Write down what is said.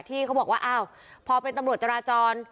ที่เขาบอกว่าอ้าวพอเป็นตำรวจจราจร